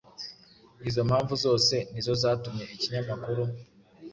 Izo mpamvu zose nizo zatumye ikinyamakuru